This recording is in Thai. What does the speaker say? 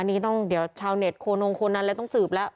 อันนี้ต้องเดี๋ยวชาวเน็ตโคนงโคนันเลยต้องสืบแล้ว